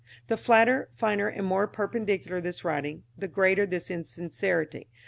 The flatter, finer and more perpendicular this writing, the greater the insincerity.